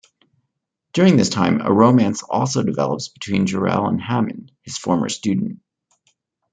During this time, a romance also develops between Jurel and Hammond, his former student.